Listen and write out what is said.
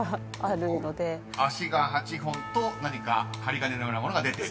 ［脚が８本と何か針金のようなものが出ている］